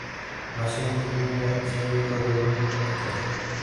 Nació en Tubinga, siendo hijo de un boticario.